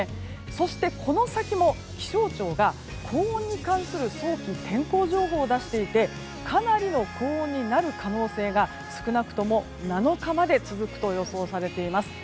そして、この先も気象庁が高温に関する早期天候情報を出していてかなりの高温になる可能性が少なくとも７日まで続くと予想されています。